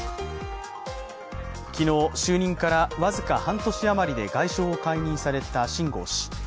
昨日、就任から僅か半年余りで外相を解任された秦剛氏。